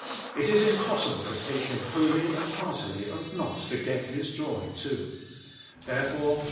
It is impossible to take Him wholly and heartily, and not to get His joy too.